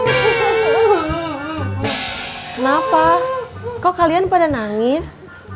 kenapa kok kalian pada nangis